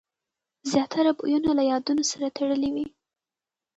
زیاتره بویونه له یادونو سره تړلي وي.